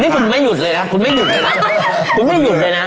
นี่คุณไม่หยุดเลยนะคุณไม่หยุดเลยนะ